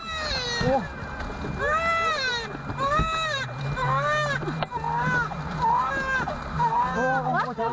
ไอ้หมูทิ้ง